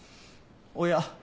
おや？